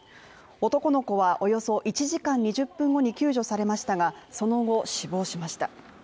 男の子はおよそ１時間２０分後に救助されましたがその後死亡しました。